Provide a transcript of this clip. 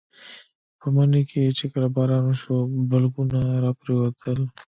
په مني کې چې کله باران وشو بلګونه راپرېوتل.